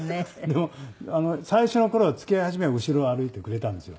でも最初の頃は付き合い始めは後ろを歩いてくれたんですよ。